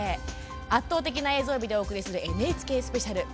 圧倒的な映像美でお送りするＮＨＫスペシャル。